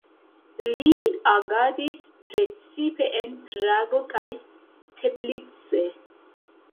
Li agadis precipe en Prago kaj Teplice.